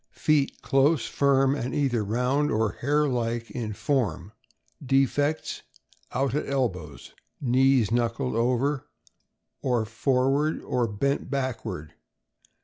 Feet close, iirm, and either round or hare like in form. Defects: Out at elbows. Knees knuckled over or for ward, or bent backward.